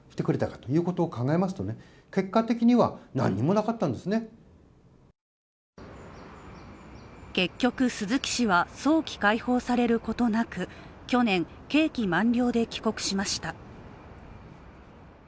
しかし結局、鈴木氏は早期解放されることなく去年、刑期満了で帰国しました。